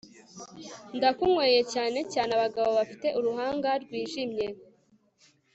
ndakunyweye cyane cyane, abagabo bafite uruhanga rwijimye